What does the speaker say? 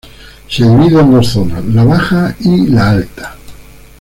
Se divide en dos zonas: la baja y la alta.